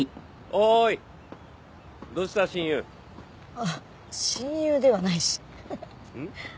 あっ親友ではないしハハハ。